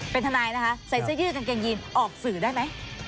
เป็นทนายนะคะใส่เสื้อยืดกางเกงยีนออกสื่อได้ไหม